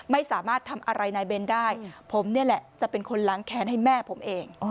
ไม่สามารถทำอะไรนายเบนได้ผมนี่แหละจะเป็นคนล้างแค้นให้แม่ผมเอง